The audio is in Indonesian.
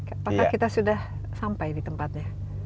apakah kita sudah sampai di tempatnya